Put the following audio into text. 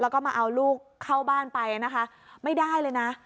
แล้วก็มาเอาลูกเข้าบ้านไปนะคะไม่ได้เลยนะ